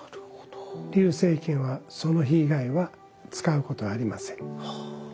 溜精軒はその日以外は使うことはありません。